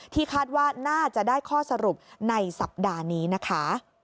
คาดว่าน่าจะได้ข้อสรุปในสัปดาห์นี้นะคะ